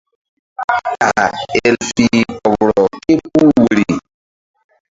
Ɗaka el fih kpoɓrɔ ke puh woyri.